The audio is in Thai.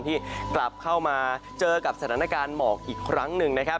ที่กลับเข้ามาเจอกับสถานการณ์หมอกอีกครั้งหนึ่งนะครับ